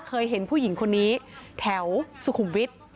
เคยเห็นผู้หญิงคนนี้แถวสุขุมวิทย์